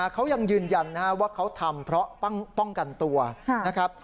เขายังยืนยันว่าเขาทำเพราะป้องกันตัวนะครับ